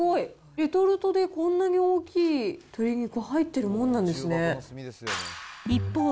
レトルトでこんなに大きい鶏肉入ってるもんなんですね。